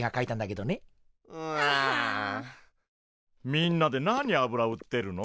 みんなで何あぶら売ってるの？